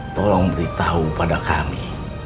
tolong beritahu pada kami